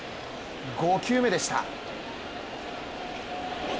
５球目でした。